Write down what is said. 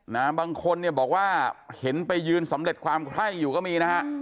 บางคนเนี่ยบอกว่าเห็นไปยืนสำเร็จความไข้อยู่ก็มีนะฮะ